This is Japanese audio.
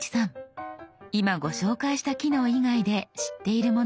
今ご紹介した機能以外で知っているものはありますか？